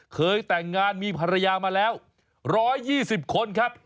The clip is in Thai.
เคยแต่งงานมีภรรยามาแล้ว๑๒๐คนครับ